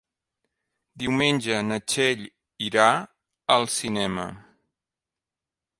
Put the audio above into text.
Diumenge na Txell irà al cinema.